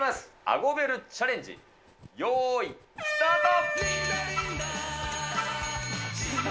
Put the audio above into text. アゴベルチャレンジ、よーいスタート。